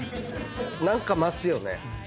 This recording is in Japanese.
何か増すよね。